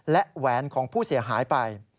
และแหวนของผู้เสียหายไป